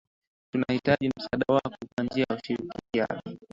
Tunahitaji msaada wako kwa njia ya ushirikiano